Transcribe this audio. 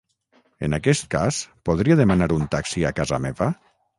En aquest cas, podria demanar un taxi a casa meva?